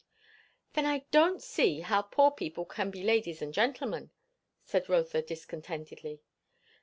"Then I don't see how poor people can be ladies and gentlemen," said Rotha discontentedly.